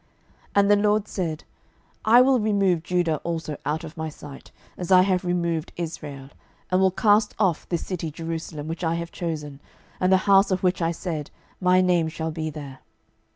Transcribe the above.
12:023:027 And the LORD said, I will remove Judah also out of my sight, as I have removed Israel, and will cast off this city Jerusalem which I have chosen, and the house of which I said, My name shall be there.